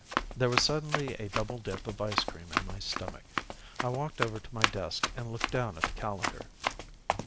There was suddenly a double dip of ice cream in my stomach. I walked over to my desk and looked down at the calendar.